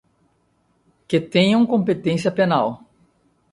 que tenham competência penal;